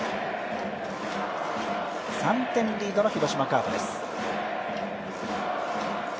３点リードの広島カープです。